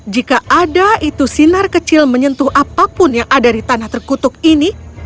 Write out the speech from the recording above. jika ada itu sinar kecil menyentuh apapun yang ada di tanah terkutuk ini